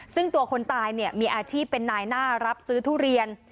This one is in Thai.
ซึ่งตัวคนตายเนี่ยมีอาชีพเป็นนายหน้ารับซื้อทุเรียน